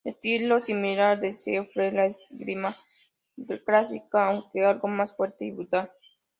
Estilo similar al de Siegfried, la esgrima clásica aunque algo más fuerte y brutal.